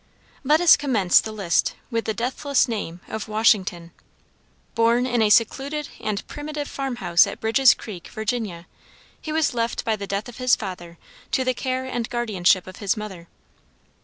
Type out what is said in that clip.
Let us commence the list with the deathless name of Washington. Born in a secluded and primitive farm house at Bridge's Creek, Virginia, he was left by the death of his father to the care and guardianship of his mother.